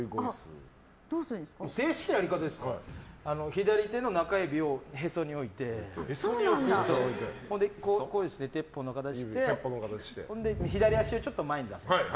左手の中指をへそに置いて鉄砲の形して左足をちょっと前に出すんです。